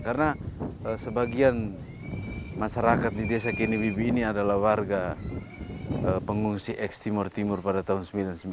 karena sebagian masyarakat di desa kini bibi ini adalah warga pengungsi eks timur timur pada tahun seribu sembilan ratus sembilan puluh sembilan